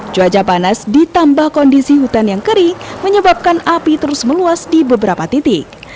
cuaca panas ditambah kondisi hutan yang kering menyebabkan api terus meluas di beberapa titik